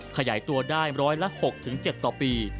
ขยายตัวได้๑๐๖๗ต่อปี